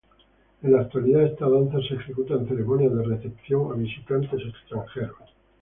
En la actualidad, esta danza se ejecuta en ceremonias de recepción a visitantes extranjeros.